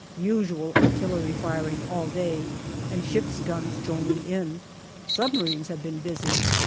Usual artillery firing all day, and ship's guns joining in. Submarines have been busy.